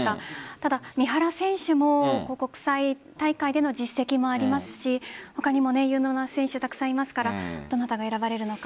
ただ、三原選手も国際大会での実績もありますし他にも有能な選手たくさんいますからどなたが選ばれるのか。